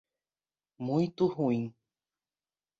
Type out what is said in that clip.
Muito ruim